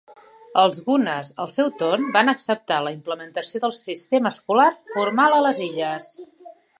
Els Gunas, al seu torn, van acceptar la implementació del sistema escolar formal a les illes.